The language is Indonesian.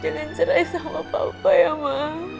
dina mohon jangan serai sama papa ya ma